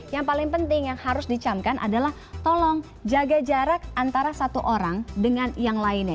yang paling penting yang harus dicamkan adalah tolong jaga jarak antara satu orang dengan yang lainnya